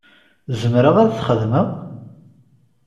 Zemreɣ ad t-xedmeɣ?